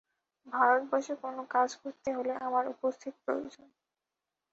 ভারতবর্ষে কোন কাজ করতে হলে, আমার উপস্থিতি প্রয়োজন।